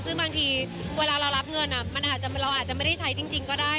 ซึ่งบางทีเวลาเรารับเงินเราอาจจะไม่ได้ใช้จริงก็ได้